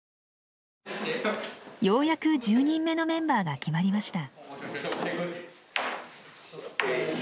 ようやく１０人目のメンバーが決まりました。